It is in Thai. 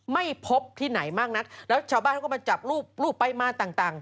ไม่พบที่ไหนมากนะแล้วชาวบ้านก็มาจับรูปไบ้มาต่าง